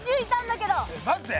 マジで！？